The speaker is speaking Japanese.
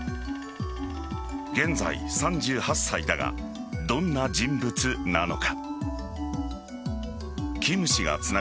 現在、３８歳だがどんな人物なのか。